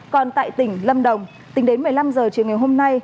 còn tại tỉnh lâm đồng tính đến một mươi năm h chiều ngày hôm nay